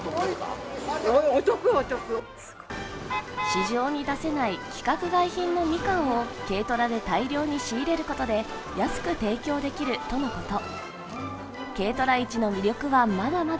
市場に出せない規格外品のみかんを軽トラで大量に仕入れることで安く提供できるとのこと。